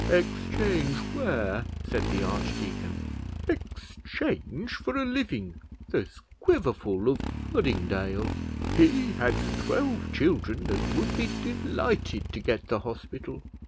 "Exchange where?" said the archdeacon. "Exchange for a living. There's Quiverful, of Puddingdale; he has twelve children, and would be delighted to get the hospital.